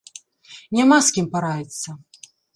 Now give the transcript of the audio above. Няма з кім параіцца.